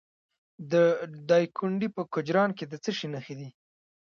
د دایکنډي په کجران کې د څه شي نښې دي؟